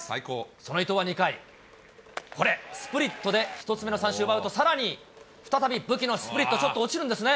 その伊藤は２回、これ、スプリットで１つ目の三振を奪うと、さらに、再び武器のスプリット、ちょっと落ちるんですね。